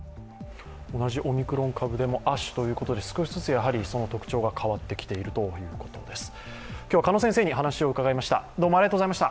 同じオミクロン株でも亜種ということで、少しずつ特徴が変わってきているということです。